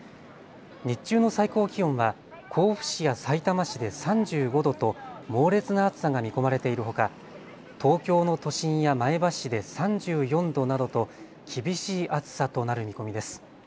日中の最高気温は甲府市やさいたま市で３５度と猛烈な暑さが見込まれているほか東京の都心や前橋市で３４度などと厳しい暑さとなる見込みです。